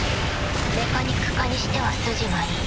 メカニック科にしては筋がいい。